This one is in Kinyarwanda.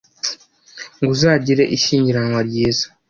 ngo uzagire ishyingiranwa ryiza